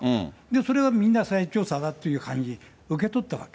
それはみんな再調査だっていう感じに受け取ったわけ。